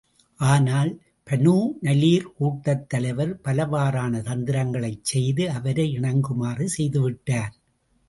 ஆனால் பனூ நலீர் கூட்டத் தலைவர், பலவாறான தந்திரங்களைச் செய்து, அவரை இணங்குமாறு செய்து விட்டார்.